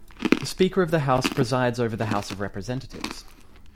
The Speaker of the House presides over the House of Representatives.